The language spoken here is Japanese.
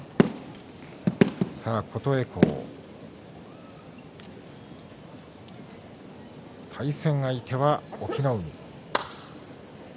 琴恵光、対戦相手は隠岐の海。